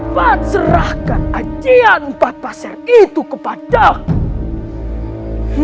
pasrahkan ajian bapak ser itu kepada aku